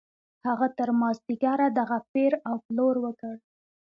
هغه تر مازديګره دغه پېر او پلور وکړ.